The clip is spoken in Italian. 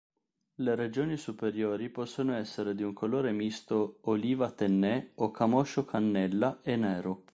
Le regioni superiori possono essere di un colore misto oliva-tenné o camoscio-cannella e nero.